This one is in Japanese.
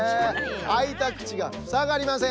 あいたくちがふさがりませんよ。